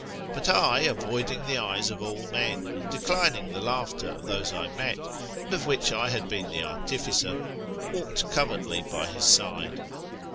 But I, avoiding the eyes of all men, and declining the laughter of those I met, and of which I had been the artificer, walked covertly by his side.